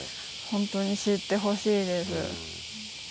本当に知ってほしいです。